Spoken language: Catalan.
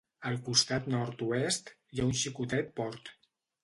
Al costat nord-oest, hi ha un xicotet port.